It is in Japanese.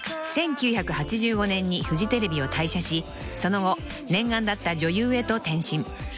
［１９８５年にフジテレビを退社しその後念願だった女優へと転身］